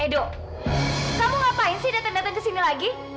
edo kamu ngapain sih datang datang ke sini lagi